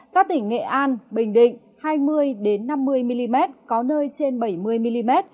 các tỉnh nghệ an bình định hai mươi năm mươi mm có nơi trên bảy mươi mm